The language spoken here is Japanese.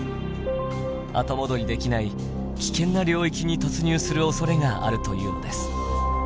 後戻りできない「危険な領域」に突入するおそれがあるというのです。